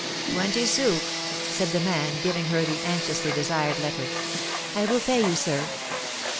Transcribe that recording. "Twenty sous," said the man, giving her the anxiously desired letter. "I will pay you, sir."